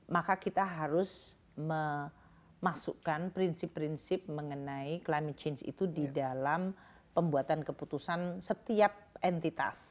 maka kita harus memasukkan prinsip prinsip mengenai climate change itu di dalam pembuatan keputusan setiap entitas